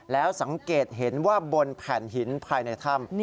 แล้วสังเกตเห็นว่าบนแผ่นหินภายในถ้ำ